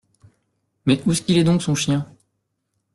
Mais ousqu’il est donc, son chien ?